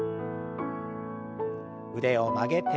腕を曲げて。